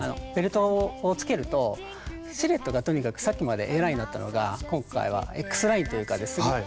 ベルトをつけるとシルエットがとにかくさっきまでＡラインだったのが今回はＸラインというかですね